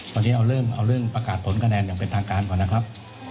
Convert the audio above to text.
ตอนนี้เอาเริ่มเอาเรื่องประกาศผลคะแนนอย่างเป็นทางการก่อนนะครับ